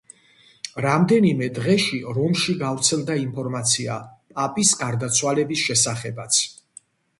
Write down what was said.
რამდენიმე დღეში რომში გავრცელდა ინფორმაცია პაპის გარდაცვალების შესახებაც.